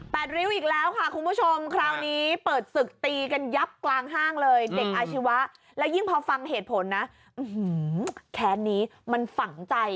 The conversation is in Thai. ริ้วอีกแล้วค่ะคุณผู้ชมคราวนี้เปิดศึกตีกันยับกลางห้างเลยเด็กอาชีวะแล้วยิ่งพอฟังเหตุผลนะแค้นนี้มันฝังใจ